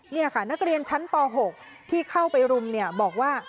นี่ค่ะนักเรียนชั้นป๖ที่เข้าไปรุมเนี่ยบอกว่า